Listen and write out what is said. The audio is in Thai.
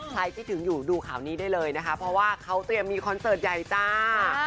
คิดถึงอยู่ดูข่าวนี้ได้เลยนะคะเพราะว่าเขาเตรียมมีคอนเสิร์ตใหญ่จ้า